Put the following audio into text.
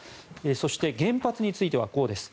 そして、原発についてはこうです。